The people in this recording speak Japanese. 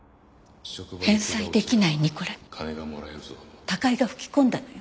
返済出来ないニコラに高井が吹き込んだのよ。